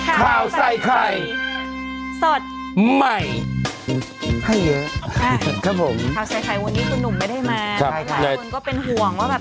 ข้าวใส่ไข่วันนี้คุณหนุ่มไม่ได้มาครับใช่ค่ะหลายคนก็เป็นห่วงว่าแบบ